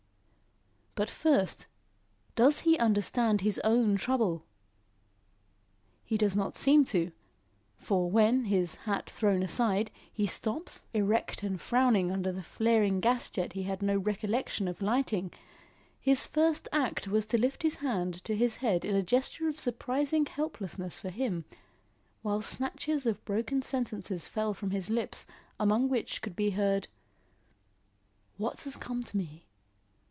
But first, does he understand his own trouble? He does not seem to. For when, his hat thrown aside, he stops, erect and frowning under the flaring gas jet he had no recollection of lighting, his first act was to lift his hand to his head in a gesture of surprising helplessness for him, while snatches of broken sentences fell from his lips among which could be heard: "What has come to me?